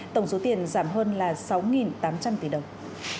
tổng số tiền giảm hơn là sáu tám trăm linh tỷ đồng